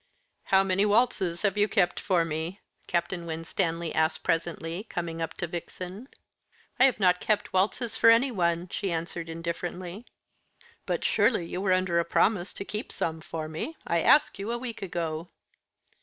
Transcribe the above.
"How many waltzes have you kept for me?" Captain Winstanley asked presently, coming up to Vixen. "I have not kept waltzes for anyone," she answered indifferently. "But surely you were under a promise to keep some for me? I asked you a week ago."